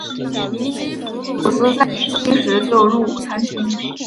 尼基弗鲁斯在年轻时就入伍参军。